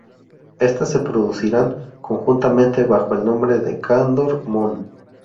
Estas se producirán conjuntamente bajo el nombre de Kandor Moon.